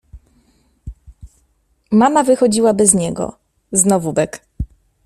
Mama wychodziła bez niego, znowu bek.